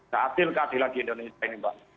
tak hasil keadilan di indonesia ini mbak